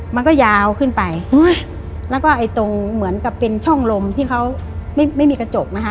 มันก็ยาวขึ้นไปแล้วก็ไอ้ตรงเหมือนกับเป็นช่องลมที่เขาไม่ไม่มีกระจกนะคะ